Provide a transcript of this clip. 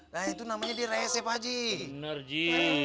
nah itu namanya di rese pak haji